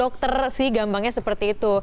dokter sih gampangnya seperti itu